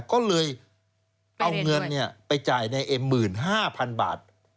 ก็เลยเอาเงินไปจ่ายในเอ็ม๑๕๐๐๐บาท